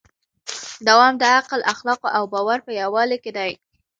دوام د عقل، اخلاقو او باور په یووالي کې دی.